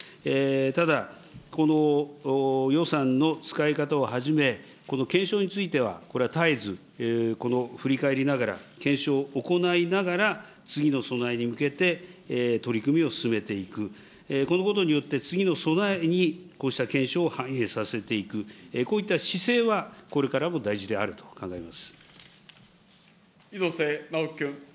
ただ、この予算の使い方をはじめ、この検証についてはこれは絶えずこの振り返りながら、検証を行いながら、次の備えに向けて取り組みを進めていく、このことによって次の備えにこうした検証を反映させていく、こういった姿勢はこ猪瀬直樹君。